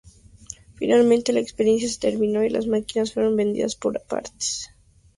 Finalmente la experiencia terminó y las máquinas fueron vendidas por partes.